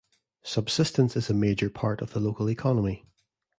Subsistence is a major part of the local economy.